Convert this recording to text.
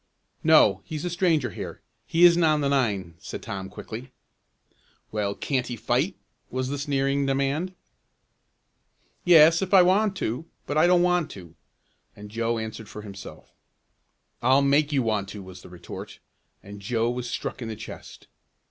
"No, he's a stranger here he isn't on the nine," said Tom quickly. "Well, can't he fight?" was the sneering demand. "Yes, if I want to, but I don't want to," and Joe answered for himself. "I'll make you want to," was the retort, and Joe was struck in the chest.